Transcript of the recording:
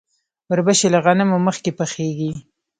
وربشې له غنمو مخکې پخیږي.